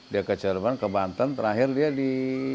dia ke cirebon ke banten terakhir dia di